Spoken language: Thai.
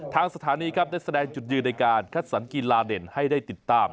ทางสถานีครับได้แสดงจุดยืนในการคัดสรรกีฬาเด่นให้ได้ติดตาม